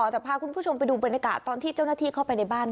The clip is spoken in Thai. แต่พาคุณผู้ชมไปดูบรรยากาศตอนที่เจ้าหน้าที่เข้าไปในบ้าน